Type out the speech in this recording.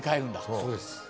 そうです。